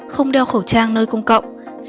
không đeo khẩu trang nơi công cộng